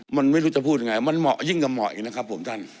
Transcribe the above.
มันไม่รู้จะพูดยังไงมันเหมาะยิ่งกับเหมาะอีกนะครับผมท่าน